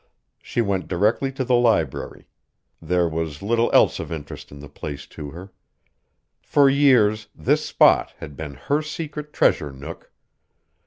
She went directly to the library: there was little else of interest in the place to her. For years this spot had been her secret treasure nook.